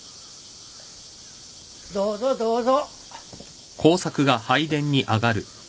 どうぞどうぞ。